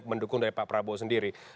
mendukung dari pak prabowo sendiri